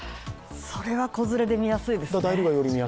それは子連れで見やすいですね。